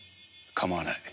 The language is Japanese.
構わない。